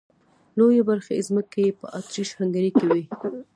لويه برخه ځمکې یې په اتریش هنګري کې وې.